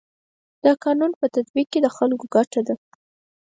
د قانون په تطبیق کي د خلکو ګټه ده.